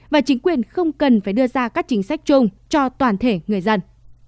và chính quyền không cần phải đưa ra các chính sách chung cho toàn thể người dân